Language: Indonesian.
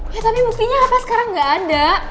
ya tapi buktinya hape sekarang gak ada